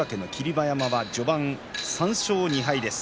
馬山は序盤３勝２敗です。